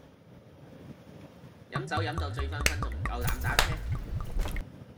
飲酒飲到醉醺醺仲夠膽揸車